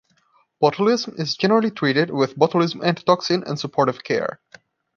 Botulism is generally treated with botulism antitoxin and supportive care.